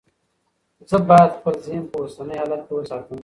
زه باید خپل ذهن په اوسني حالت کې وساتم.